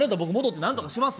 何とかしますよ。